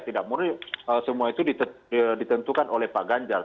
tidak murni semua itu ditentukan oleh pak ganjar